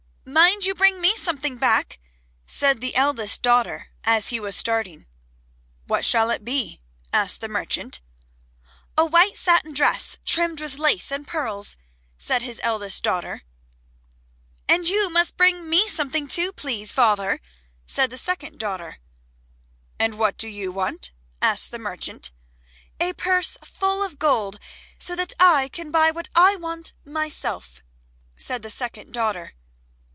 "Mind you bring me something back," said the eldest daughter as he was starting. "What shall it be?" asked the merchant. "A white satin dress trimmed with lace and pearls," said his eldest daughter. "And you must bring me something too, please, father," said the second daughter. "And what do you want," asked the merchant. "A purse full of gold so that I can buy what I want myself," said the second daughter.